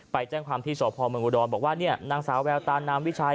ไปแจ้งความที่ศพบนอุดรบอกว่านางสาวแววตานามวิชัย